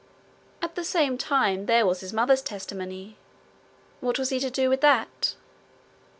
At the same time there was his mother's testimony: what was he to do with that?